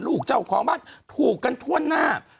ลูกเจ้าของบ้านถูกกันทั่วหน้า